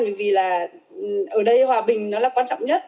bởi vì là ở đây hòa bình nó là quan trọng nhất